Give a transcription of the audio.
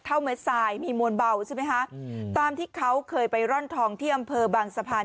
เม็ดทรายมีมวลเบาใช่ไหมคะตามที่เขาเคยไปร่อนทองที่อำเภอบางสะพาน